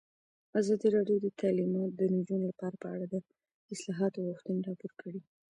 ازادي راډیو د تعلیمات د نجونو لپاره په اړه د اصلاحاتو غوښتنې راپور کړې.